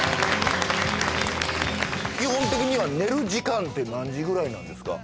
基本的には寝る時間って何時ぐらいなんですか？